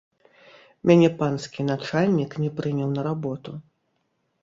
Мяне панскі начальнік не прыняў на работу.